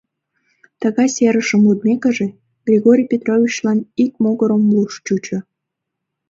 Тыгай серышым лудмекыже, Григорий Петровичлан ик могырым луш чучо.